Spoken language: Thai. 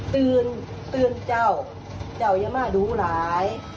ตื่นตื่นเจ้าเจ้าอย่ามาดูหลาย